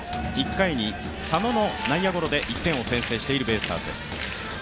１回に佐野の内野ゴロで１点を先制しているベイスターズです。